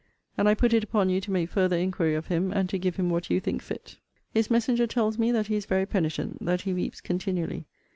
And I put it upon you to make further inquiry of him, and to give him what you think fit. His messenger tells me that he is very penitent; that he weeps continually.